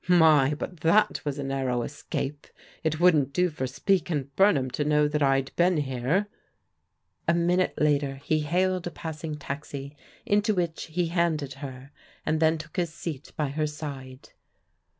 My, but that was a narrow eso^l THE NIGHT CLUB AFFAIR 239 It wotildn't do for Speke and Burnham to know that I'd been here." A minute later he hailed a passing taxi, into which he handed her, and then took his seat by her side.